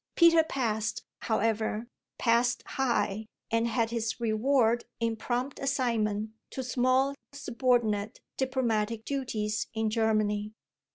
Peter passed, however, passed high, and had his reward in prompt assignment to small, subordinate, diplomatic duties in Germany.